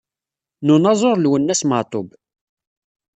N unaẓur Lwennas Meɛtub.